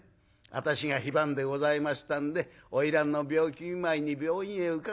『私が非番でございましたんで花魁の病気見舞いに病院へ伺いました。